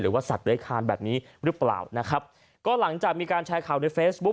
ว่าสัตว์เลื้อยคานแบบนี้หรือเปล่านะครับก็หลังจากมีการแชร์ข่าวในเฟซบุ๊ค